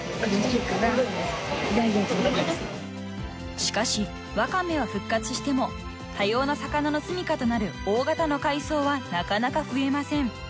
［しかしワカメは復活しても多様な魚のすみかとなる大型の海藻はなかなか増えません］